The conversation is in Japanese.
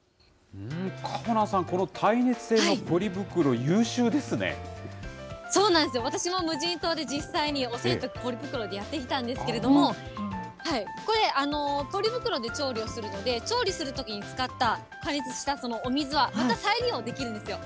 かほなんさん、そうなんですよ、私も無人島で実際にお洗濯、ポリ袋でやっていたんですけれども、これ、ポリ袋で調理をするので、調理するときに使った、加熱したお水はまた再利用できるんですよ。